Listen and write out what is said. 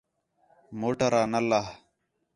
موٹر آ نہ لہہ